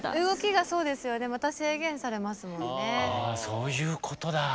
そういうことだ！